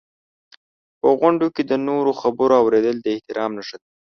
په غونډو کې د نورو خبرو اورېدل د احترام نښه ده.